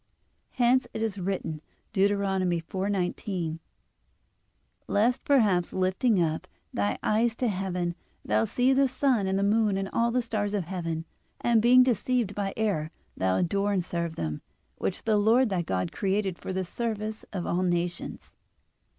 Hence it is written (Deut. 4:19): "Lest perhaps lifting up thy eyes to heaven, thou see the sun and the moon and all the stars of heaven, and being deceived by error thou adore and serve them, which the Lord thy God created for the service of all nations."